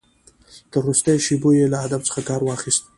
تر وروستیو شېبو یې له ادب څخه کار واخیست.